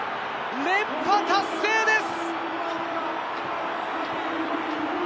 連覇達成です！